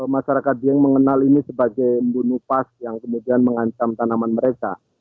masyarakat dieng mengenal ini sebagai membunuh pas yang kemudian mengancam tanaman mereka